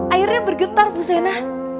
airnya bergetar busena